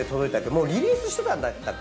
もうリリースしてたんだったっけ？